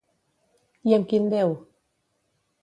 I amb quin déu?